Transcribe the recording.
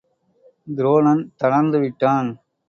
துரோணன் தணர்ந்து விட்டான்.